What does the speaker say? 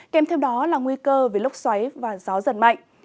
kèm theo đó là nguy cơ về lốc xoáy và gió giật mạnh